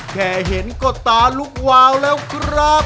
แค่เห็นก็ตาลุกวาวแล้วครับ